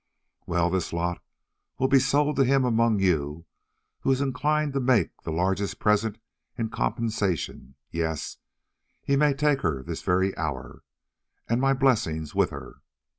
"Well, this lot will be sold to him among you who is inclined to make me the largest present in compensation; yes, he may take her this very hour, and my blessing with her.